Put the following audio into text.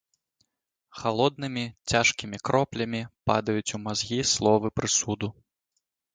Халоднымі цяжкімі кроплямі падаюць у мазгі словы прысуду.